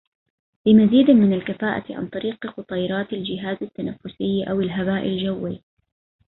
بمزيد من الكفاءة عن طريق قُطيرات الجهاز التنفسي أو الهباء الجوي